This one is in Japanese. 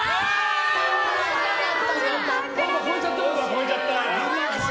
超えちゃった。